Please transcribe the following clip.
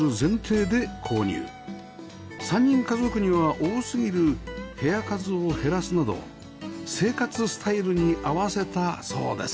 ３人家族には多すぎる部屋数を減らすなど生活スタイルに合わせたそうです